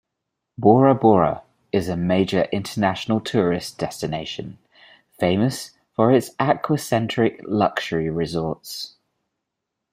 Bora Bora is a major international tourist destination, famous for its aqua-centric luxury resorts.